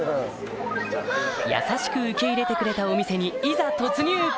優しく受け入れてくれたお店にいざ突入！